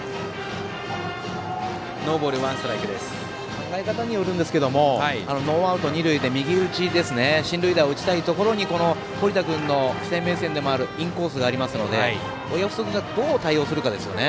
考え方によるんですけどノーアウト二塁で右打ち進塁打を打ちたいところにこの堀田君の生面線でもあるインコースもあるので親富祖君、どう対応するかですね。